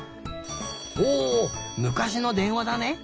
おむかしのでんわだね。